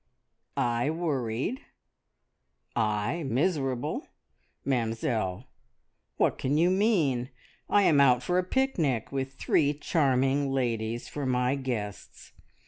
"I worried! I miserable! Mamzelle, what can you mean? I am out for a picnic, with three charming ladies for my guests.